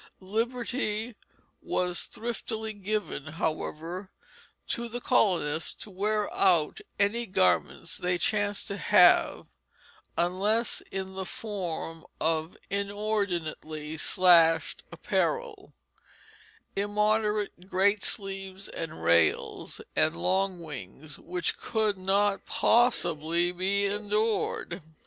Liberty was thriftily given, however, to the colonists to wear out any garments they chanced to have unless in the form of inordinately slashed apparel, immoderate great sleeves and rails, and long wings, which could not possibly be endured.